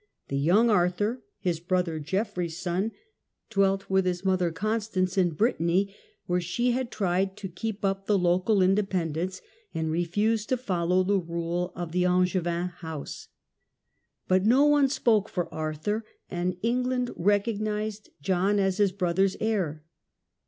The young Arthur, his brother Geoffrey's son, dwelt with his mother Con stance in Brittany, where she had tried to keep up the local independence and refused to follow the rule of the The election Angcvin housc. But no one spoke for Arthur, of John. an^ England recognized John as his brother's heir.